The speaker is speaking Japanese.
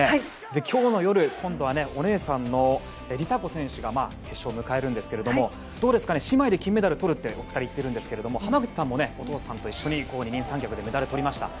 今日の夜、今度はお姉さんの梨紗子選手が決勝を迎えるんですが姉妹で金メダルをとるとお二人は言ってるんですが浜口さんもお父さんと一緒に二人三脚でメダルとりました。